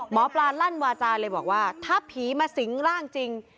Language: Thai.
หมอปลาลั่นวาจาเลยบอกว่าถ้าผีมาสิงร่างจริง